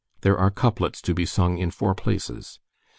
There are couplets to be sung in four places.